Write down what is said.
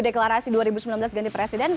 deklarasi dua ribu sembilan belas ganti presiden